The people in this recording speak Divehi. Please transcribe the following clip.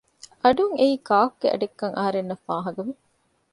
އަޑުން އެއީ ކާކުގެ އަޑެއްކަން އަހަރެންނަށް ފާހަގަވި